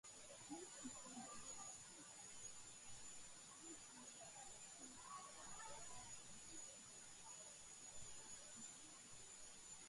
მის გამგებლობაში ფეოდალური შინაომებით დასუსტებული ირანი ევროპული კოლონიალიზმის მსხვერპლი გახდა.